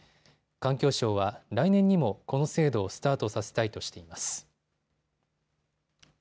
環境省は来年にもこの制度をスタートさせたいとしています。